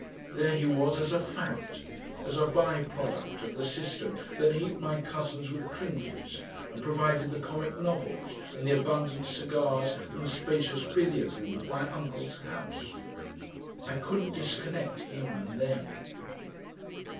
There he was as a fact, as a by product of the system that heaped my cousins with trinkets and provided the comic novels and the abundant cigars and spacious billiard room of my uncle's house. I couldn't disconnect him and them.